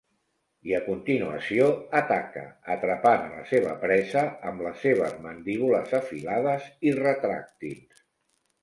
I a continuació ataca, atrapant a la seva presa amb les seves mandíbules afilades i retràctils.